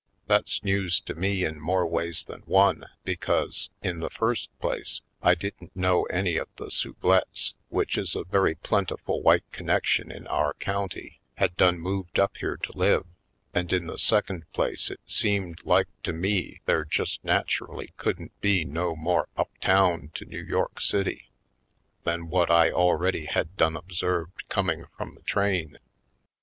That's news to me in more ways than one because, in the first place, I didn't know any of the Sub lettes, which is a very plentiful white con nection in our county, had done moved up here to live, and in the second place it seemed like to me there just naturally couldn't be no more up town to New York City than what I already had done observed coming from the train.